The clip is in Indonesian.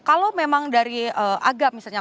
kalau memang dari agam misalnya